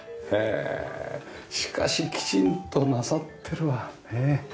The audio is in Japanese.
へえしかしきちんとなさってるわ。ねえ。